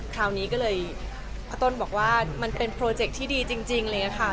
คราวนี้ก็เลยอาต้นบอกว่ามันเป็นโปรเจคที่ดีจริงเลยค่ะ